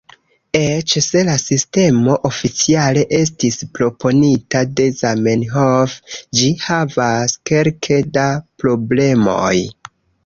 Eĉ se la sistemo oficiale estis proponita de Zamenhof, ĝi havas kelke da problemoj.